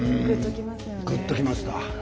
ぐっときました。